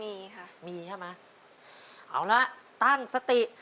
มีค่ะมีใช่ไหมเอาละตั้งสติ